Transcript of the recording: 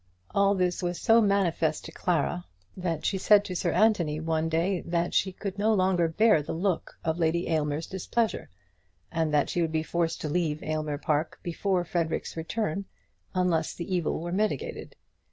All this was so manifest to Clara, that she said to Sir Anthony one day that she could no longer bear the look of Lady Aylmer's displeasure, and that she would be forced to leave Aylmer Park before Frederic's return, unless the evil were mitigated.